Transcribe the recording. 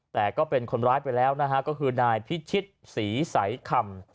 แต่ก็เป็นคนร้ายไปแล้วนะฮะก็คือนายพิชิตศรีใสคำ